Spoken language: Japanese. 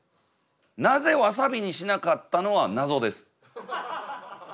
「なぜワサビにしなかったの？」は謎です。